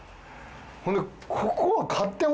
ほんで。